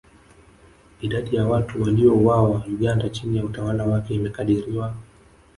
Idadi ya watu waliouawa Uganda chini ya utawala wake imekadiriwa